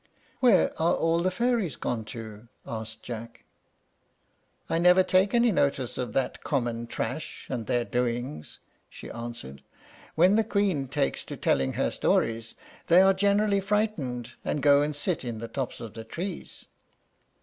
"Where are all the fairies gone to?" asked Jack. "I never take any notice of that common trash and their doings," she answered. "When the Queen takes to telling her stories they are generally frightened, and go and sit in the tops of the trees."